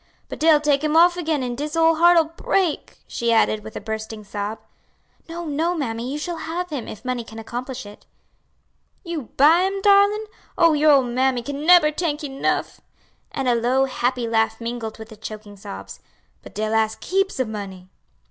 But dey'll take 'im off again an' dis ole heart'll break," she added, with a bursting sob. "No, no, mammy, you shall have him, if money can accomplish it." "You buy 'im, darlin'? Oh, your ole mammy can neber t'ank you 'nuff!" and a low, happy laugh mingled with the choking sobs. "But dey'll ask heaps ob money."